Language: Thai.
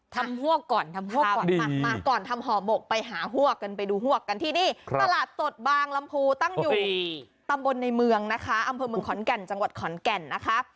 ฮวกก่อนทำฮวกก่อนมาก่อนทำห่อหมกไปหาฮวกกันไปดูฮวกกันที่นี่ตลาดสดบางลำพูตั้งอยู่ตำบลในเมืองนะคะอำเภอเมืองขอนแก่นจังหวัดขอนแก่นนะคะ